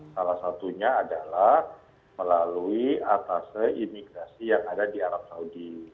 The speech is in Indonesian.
salah satunya adalah melalui atase imigrasi yang ada di arab saudi